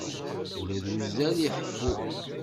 Ula d uzzal iḥeffu.